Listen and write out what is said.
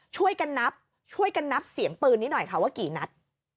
ช่วยกันนับเสียงปืนนี้หน่อยว่ากี่นัด